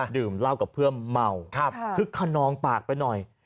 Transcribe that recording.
ดื่มเหล้ากับเพื่อนเมาคึกขนองปากไปหน่อย